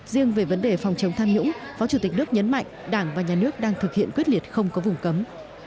riêng về vấn đề phòng chống tham nhũng phó chủ tịch nước nhấn mạnh đảng và nhà nước đang thực hiện quyết liệt không có vùng cấm